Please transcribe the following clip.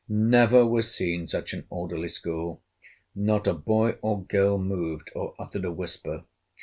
Never was seen such an orderly school. Not a boy or girl moved, or uttered a whisper.